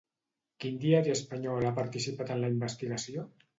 Quin diari espanyol ha participat en la investigació?